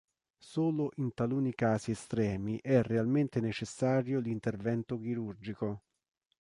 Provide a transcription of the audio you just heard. Solo in taluni casi estremi è realmente necessario l'intervento chirurgico.